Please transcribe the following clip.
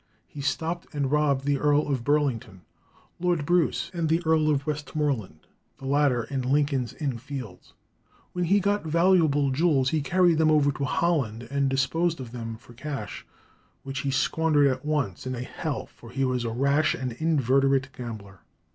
He stopped and robbed the Earl of Burlington, Lord Bruce, and the Earl of Westmoreland, the latter in Lincoln's Inn Fields. When he got valuable jewels he carried them over to Holland and disposed of them for cash, which he squandered at once in a "hell," for he was a rash and inveterate gambler.